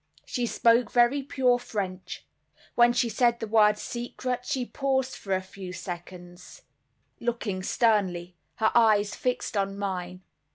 She spoke very pure French. When she said the word 'secret,' she paused for a few seconds, looking sternly, her eyes fixed on mine.